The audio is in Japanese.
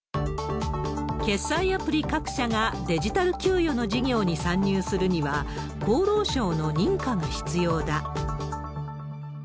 決済アプリ各社がデジタル給与の事業に参入するには、厚労省の認可が必要だ。